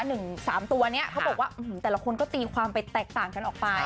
หนึ่งสามตัวนี้เขาบอกว่าแต่ละคนก็ตีความไปแตกต่างกันออกไป